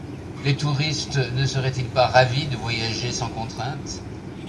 Les touristes ne seraient-ils pas ravis de voyager sans contrainte ?